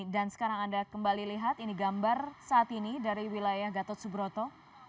dan sekarang anda kembali lihat ini gambar saat ini dari wilayah gatot subroto